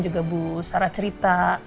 juga bu sarah cerita